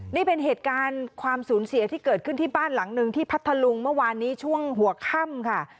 นี่เป็นเหตุการณ์ความสูญเสียที่เกิดขึ้นที่บ้านหลังหนึ่งที่พัทธลุงเมื่อวานนี้ช่วงหัวค่ำค่ะ